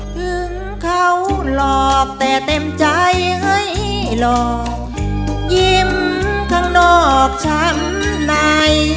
ถึงเขาหลอกแต่เต็มใจให้หลอกยิ้มข้างนอกช้ำใน